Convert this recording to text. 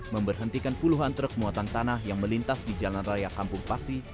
memberhentikan puluhan truk muatan tanah yang melintas di jalan raya kampung pasi